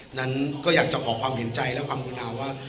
นั้นก็อยากจะขอความเห็นใจและความคุณอาว่า